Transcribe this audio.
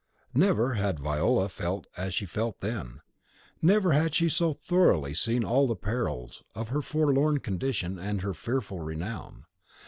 Never had Viola felt as she felt then, never had she so thoroughly seen all the perils of her forelorn condition and her fearful renown.